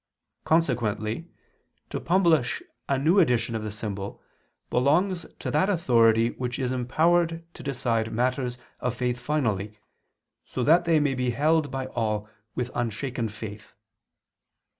Consequently to publish a new edition of the symbol belongs to that authority which is empowered to decide matters of faith finally, so that they may be held by all with unshaken faith.